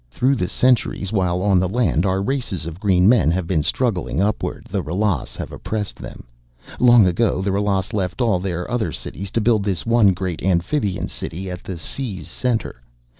"Through the centuries, while on the land our races of green men have been struggling upward, the Ralas have oppressed them. Long ago the Ralas left all their other cities to build this one great amphibian city at the sea's center.